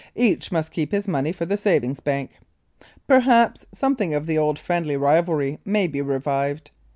Each must keep his money for the savings bank. Perhaps, something of the old friendly rivalry may be revived.